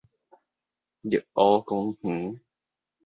綠湖公園